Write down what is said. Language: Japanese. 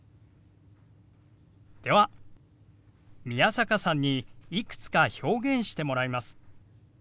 では宮坂さんにいくつか表現してもらいます。